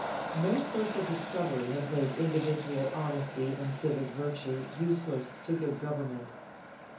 No social discovery has made individual honesty and civic virtue useless to good government.